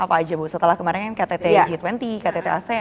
apa aja bu setelah kemarin kan ktt g dua puluh ktt ac